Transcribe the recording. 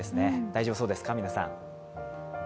大丈夫そうですか皆さん。